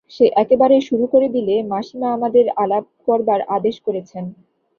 সে একেবারে শুরু করে দিলে, মাসিমা আমাদের আলাপ করবার আদেশ করেছেন।